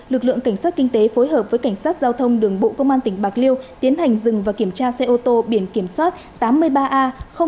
lực lượng cảnh sát kinh tế phối hợp với cảnh sát giao thông đường bộ công an tỉnh bạc liêu tiến hành dừng và kiểm tra xe ô tô biển kiểm soát tám mươi ba a năm nghìn ba trăm bảy mươi chín